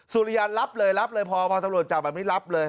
สุริยันรับเลยรับเลยพอพอตำรวจจับแบบนี้รับเลย